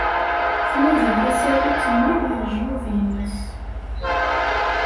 Tnuda tasarut-nni deg lejyub-nnes.